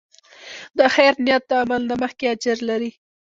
د خیر نیت د عمل نه مخکې اجر لري.